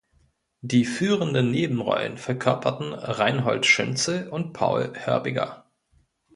Die führenden Nebenrollen verkörperten Reinhold Schünzel und Paul Hörbiger.